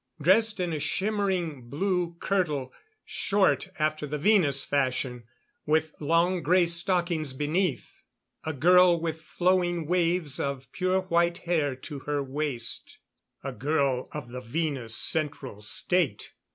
Dressed in a shimmering blue kirtle, short after the Venus fashion, with long grey stockings beneath. A girl with flowing waves of pure white hair to her waist a girl of the Venus Central State.